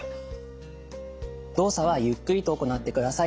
動作はゆっくりと行ってください。